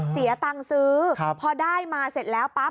เสียตังค์ซื้อพอได้มาเสร็จแล้วปั๊บ